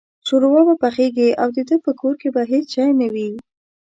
شوروا به پخېږي او دده په کور کې به هېڅ شی نه وي.